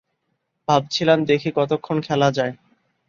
ভাবছিলাম, দেখি কতক্ষণ খেলা যায়।